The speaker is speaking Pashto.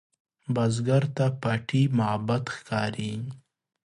بزګر ته پټي معبد ښکاري